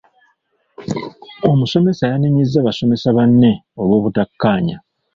Omusomesa yanenyezza basomesa banne olw'obutakkaanya.